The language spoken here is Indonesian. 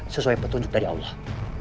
sesuai petunjuk dari allah